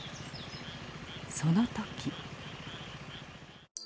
その時。